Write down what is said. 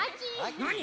なに？